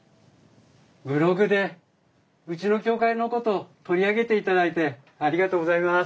ブログでうちの協会のこと取り上げていただいてありがとうございます。